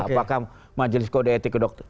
apakah majelis kode etik dokter